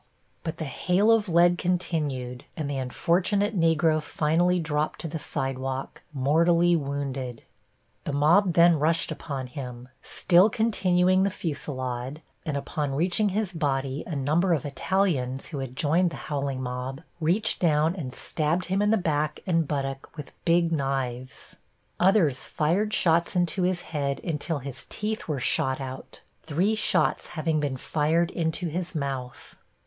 But the hail of lead continued, and the unfortunate Negro finally dropped to the sidewalk, mortally wounded. The mob then rushed upon him, still continuing the fusillade, and upon reaching his body a number of Italians, who had joined the howling mob, reached down and stabbed him in the back and buttock with big knives. Others fired shots into his head until his teeth were shot out, three shots having been fired into his mouth.